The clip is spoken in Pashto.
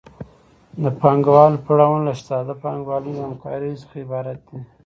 د پانګوالي پړاوونه له ساده پانګوالي همکارۍ څخه عبارت دي